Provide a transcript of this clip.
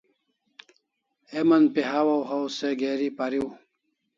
Heman pe hawaw haw se geri pariu